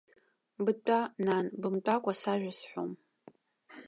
Бтәа, нан, бымтәакәа сажәа сҳәом.